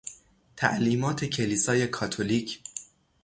تعلیمات کلیسای کاتولیک